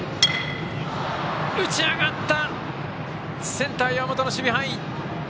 センター、岩本の守備範囲。